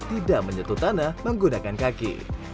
tidak menyetuh tanah menggunakan kaki